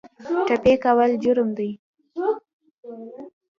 ټپي کول جرم دی.